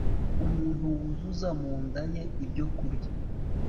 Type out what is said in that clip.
Umuntu wuzuza mu nda ye ibyokurya